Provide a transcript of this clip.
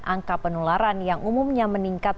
angka penularan yang umumnya meningkat